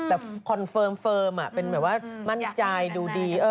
คอนเฟิร์มเป็นแบบว่ามั่นใจดูดี